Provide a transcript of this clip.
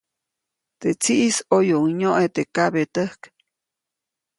Teʼ tsiʼis ʼoyuʼuŋ nyoʼe teʼ kabetäjk.